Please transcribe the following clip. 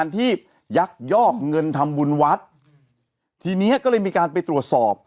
ที่ยักยอกเงินทำบุญวัดทีนี้ก็เลยมีการไปตรวจสอบ